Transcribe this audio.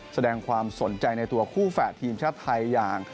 แสดงความสนใจในตัวคู่แฝดทีมชาติไทยอย่าง